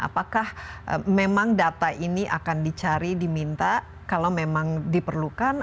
apakah memang data ini akan dicari diminta kalau memang diperlukan